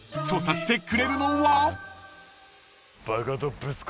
［調査してくれるのは？］